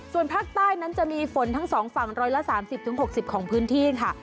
ส่วนภาคใต้นั้นจะมีฝนทั้ง๒ฝั่ง๑๓๐๖๐ของพื้นที่ค่ะ